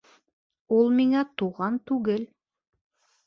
Ул миңә туған түгел.